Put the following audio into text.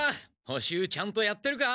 補習ちゃんとやってるか？